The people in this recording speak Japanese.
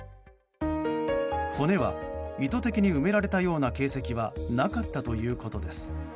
骨は意図的に埋められたような形跡はなかったということです。